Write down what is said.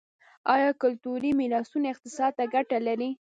آیا کلتوري میراثونه اقتصاد ته ګټه لري؟